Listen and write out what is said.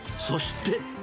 そして。